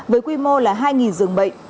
với quy mô là hai giường bệnh